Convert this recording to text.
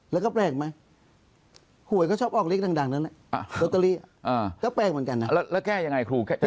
แล้วแก้อย่างไรครู